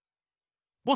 ボス